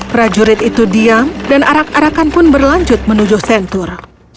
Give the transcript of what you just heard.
prajurit itu diam dan arak arakan pun berlanjut menuju sentur